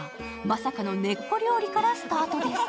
まさかの根っこ料理からスタートです。